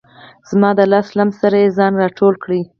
زما د لاس له لمس سره یې ځان را ټول کړ.